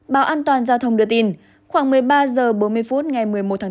báo an toàn giao thông đưa tin khoảng một mươi ba h bốn mươi phút ngày một mươi một tháng bốn